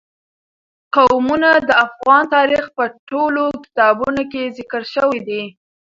قومونه د افغان تاریخ په ټولو کتابونو کې ذکر شوي دي.